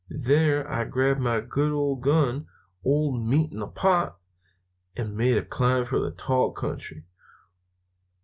There I grabbed my good old gun, old Meat in the pot, and made a climb for the tall country."